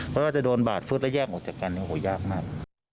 ก็จะโดนบาดฟื้ดและย่างออกจากกันโอ๊ยยากมาก